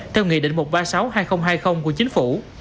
theo nghị định một trăm ba mươi sáu hai nghìn hai mươi của chính phủ